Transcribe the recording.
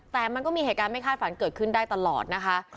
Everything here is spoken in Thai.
แต่มันก็มีเหตุการณ์ไม่คาดฝันเกิดขึ้นได้ตลอดนะคะ